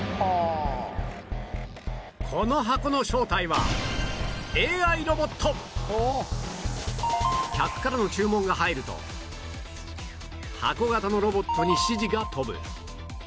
この箱の正体は客からの注文が入ると箱型のロボットに指示が飛ぶ